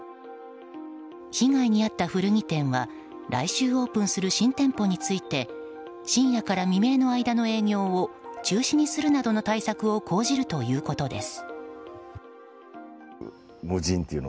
被害に遭った古着店は来週オープンする新店舗について深夜から未明の間の営業を中止にするなどの対策を講じるということです。